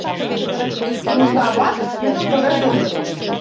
Нужна-влак тидлан тореш огытыл.